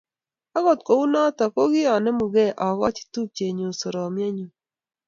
Akut kou notok, ko kikonemugee akochi tupchenyu soromnyenyu.